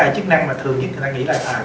chức năng mà người ta nghĩ là